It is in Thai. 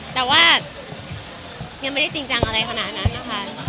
แต่ว่ายังไม่ได้จริงจังอะไรขนาดนั้นนะคะ